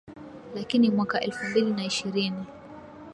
Lakini mwaka elfu mbili na ishirini